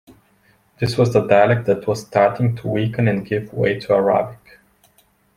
This was the dialect that was starting to weaken and give way to Arabic.